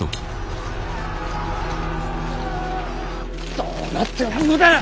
どうなっておるのだ！